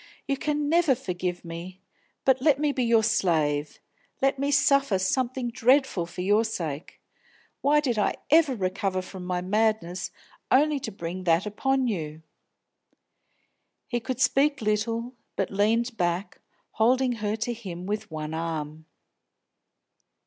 You can never forgive me; but let me be your slave, let me suffer something dreadful for your sake! Why did I ever recover from my madness, only to bring that upon you!" He could speak little, but leaned back, holding her to him with one arm.